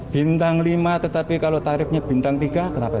bintang lima tetapi kalau tarifnya bintang tiga kenapa